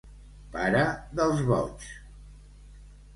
Pare dels boigs.